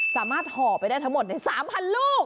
สามารถห่อไปได้ทั้งหมด๓๐๐๐ลูก